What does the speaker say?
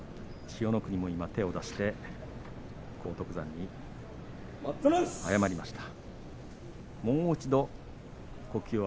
千代の国も今手を出して荒篤山に謝りました。